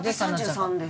私３３です。